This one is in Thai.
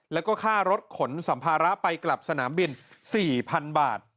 แล้วก็ค่ารถขนสัมภาระไปกลับสนามบิน๔๐๐๐บาท